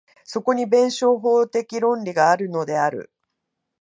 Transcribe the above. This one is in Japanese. そこに弁証法的論理があるのである。